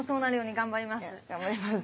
頑張ります。